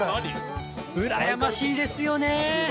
うらやましいですよね！